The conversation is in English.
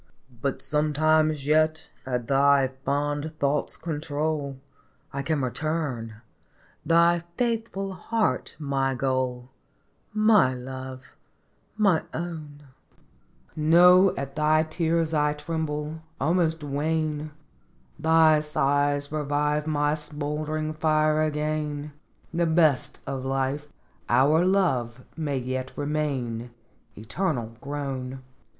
But sometimes yet at thy fond thought's control I can return, thy faithful heart my goal, My Love, my Own !" Know at thy tears I tremble, almost wane, Thy sighs revive my smouldering fire again, The best of life, our love, may yet remain, Eternal grown.